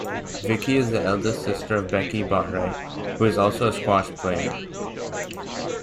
Vicky is the elder sister of Becky Botwright, who is also a squash player.